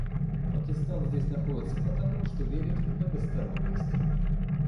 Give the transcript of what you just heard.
Пакистан находится здесь потому, что верит в многосторонность.